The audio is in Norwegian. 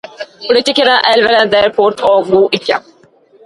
Politikerne evner det kort og godt ikke.